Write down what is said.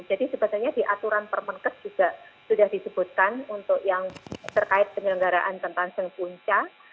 jadi sebenarnya di aturan permenkes juga sudah disebutkan untuk yang terkait penyelenggaraan tentang seng punca